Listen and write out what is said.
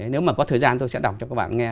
nếu mà có thời gian tôi sẽ đọc cho các bạn nghe